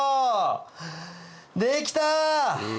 できた！